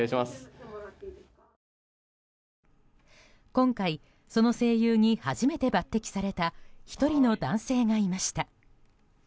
今回、その声優に初めて抜擢された１人の男性がいました。